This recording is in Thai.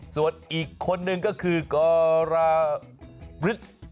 ส่วนอีกคนนึงก็คือกรร